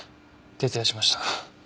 徹夜しました。